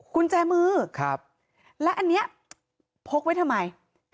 คุณแจมือและอันเนี้ยพกไว้ทำไม